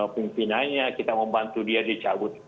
pimpinannya kita membantu dia dicabut